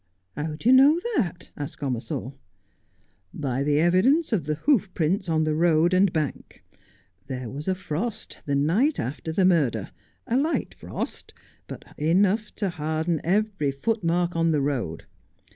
82 Just as I Am. ' How do you know that 1 ' asked Gomersall. ' By the evidence of the hoof prints on the road and bank. There was a frost the night after the murder— a light frost — but enough to harden every footmark on the road.